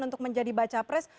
untuk menjadi baca pres